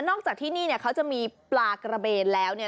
นอกจากที่นี่เขาจะมีปลากระเบนแล้ว